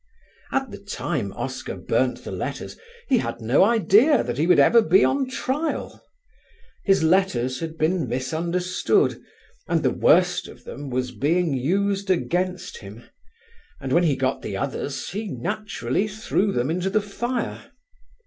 At the time Oscar burnt the letters he had no idea that he would ever be on trial. His letters had been misunderstood and the worst of them was being used against him, and when he got the others he naturally threw them into the fire.